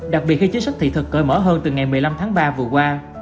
đặc biệt khi chính sách thị thực cởi mở hơn từ ngày một mươi năm tháng ba vừa qua